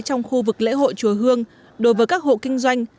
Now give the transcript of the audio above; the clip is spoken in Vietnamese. trong khu vực lễ hội chùa hương đối với các hộ kinh doanh